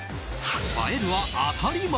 映えるは当たり前！